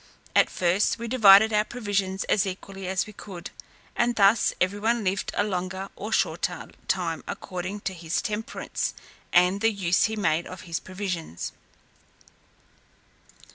At first we divided our provisions as equally as we could, and thus every one lived a longer or shorter time, according to his temperance, and the use he made of his provisions.